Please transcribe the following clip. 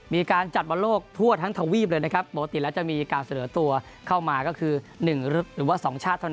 มีการจัดบอลโลกทั่วทั้งทวีปเลยนะครับปกติแล้วจะมีการเสนอตัวเข้ามาก็คือ๑หรือว่า๒ชาติเท่านั้น